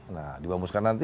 nah dibamuskan nanti